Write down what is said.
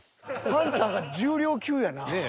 ハンターが重量級やなぁ。